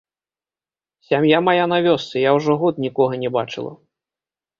Сям'я мая на вёсцы, я ўжо год нікога не бачыла.